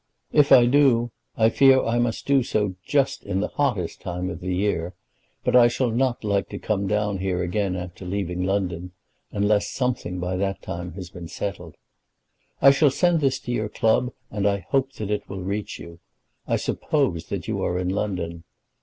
If I do, I fear I must do so just in the hottest time of the year; but I shall not like to come down here again after leaving London, unless something by that time has been settled. I shall send this to your club, and I hope that it will reach you. I suppose that you are in London.